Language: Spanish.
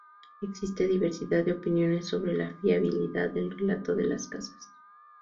Existe diversidad de opiniones sobre la fiabilidad del relato de De las Casas.